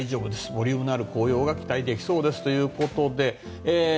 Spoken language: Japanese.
ボリュームのある紅葉が期待できそうですということで。